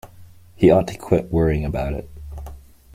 He ought to quit worrying about it.